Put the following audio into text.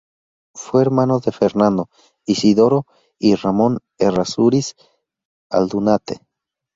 Fue hermano de Fernando, Isidoro y Ramón Errázuriz Aldunate.